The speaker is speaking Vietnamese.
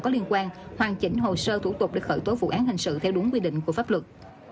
có liên quan hoàn chỉnh hồ sơ thủ tục để khởi tố vụ án hình sự theo đúng quy định của pháp luật